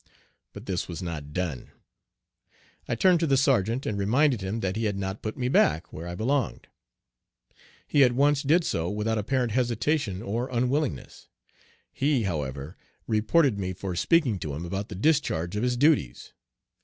But this was not done. I turned to the sergeant and reminded him that he had not put me back where I belonged. He at once did so without apparent hesitation or unwillingness. He, however, reported me for speaking to him about the discharge of his duties.